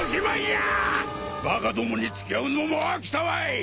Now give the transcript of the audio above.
バカどもに付き合うのも飽きたわい。